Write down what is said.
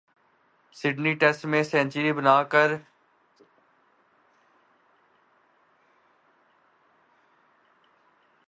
Sydney test میں century بناکر چتیشور پجارا نے بناڈالے کئی records, V V S Laxman کو بھی چھوڑا پیچھے